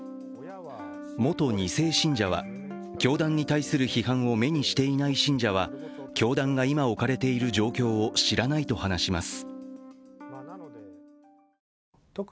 元２世信者は、教団に対する批判を目にしていない信者は、教団が今、置かれている状況を知らないと話します。